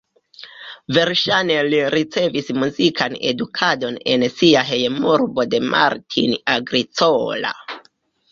Verŝajne li ricevis muzikan edukadon en sia hejmurbo de Martin Agricola.